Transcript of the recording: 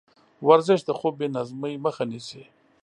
ورزش د خوب بېنظمۍ مخه نیسي.